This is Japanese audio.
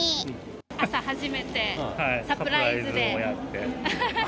朝初めてサプライズで。